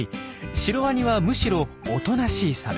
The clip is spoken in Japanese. シロワニはむしろおとなしいサメ。